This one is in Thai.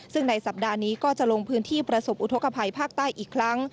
ซึ่งในสัปดาห์นี้ก็จะลงพื้นที่ประสบอุทธกภัยภาคใต้อีกครั้ง